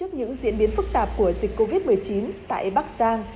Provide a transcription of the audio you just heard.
những diễn biến phức tạp của dịch covid một mươi chín tại bắc giang